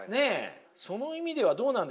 その意味ではどうなんでしょう？